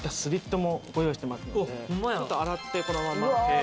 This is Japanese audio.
ちょっと洗ってこのまま。